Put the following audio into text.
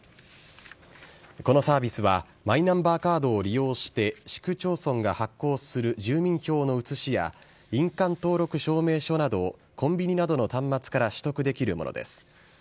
このサービスは、マイナンバーカードを利用して、市区町村が発行する住民票の写しや、印鑑登録証明書などをコンビニなどの端末から取得できるものです。